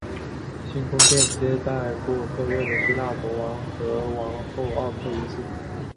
新宫殿接待过退位的希腊国王和王后奥托一世夫妇。